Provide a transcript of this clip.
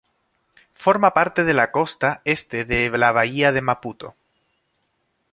Forma parte de la costa este de la bahía de Maputo.